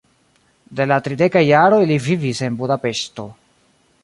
De la tridekaj jaroj li vivis en Budapeŝto.